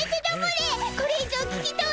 これ以上聞きとうない！